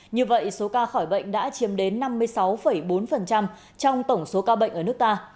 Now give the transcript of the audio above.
như vậy số ca khỏi bệnh đã chiếm đến năm mươi sáu bốn trong tổng số ca bệnh ở nước ta